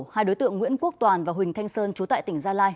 hai đối tượng nguyễn quốc toàn và huỳnh thanh sơn chú tại tỉnh gia lai